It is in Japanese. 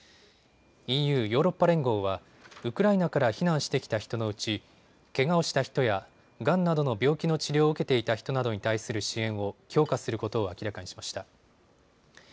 ＥＵ・ヨーロッパ連合はウクライナから避難してきた人のうちけがをした人やがんなどの病気の治療を受けていた人などに対する支援を強化することを明らかにしました。